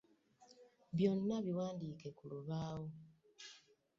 Byonna biwandiike ku lubaawo.